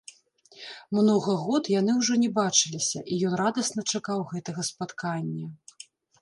Многа год яны ўжо не бачыліся, і ён радасна чакаў гэтага спаткання.